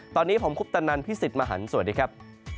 ตอนนี้ผมคุปตะนันพี่สิทธิ์มหันฯสวัสดีครับ